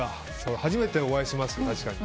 初めてお会いしますね、確かに。